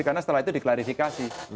karena setelah itu diklarifikasi